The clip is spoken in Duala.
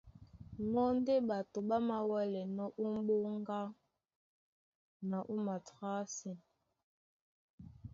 Mɔ́ ndé ɓato ɓá māwɛ́lɛnɔ́ ó m̀ɓóŋga na ó matrǎsi. Pɛ́.